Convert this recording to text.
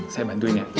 saya bantuin ya